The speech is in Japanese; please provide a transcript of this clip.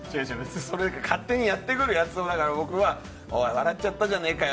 勝手にやってくるやつを僕は、おい笑っちゃったじゃねえかよ。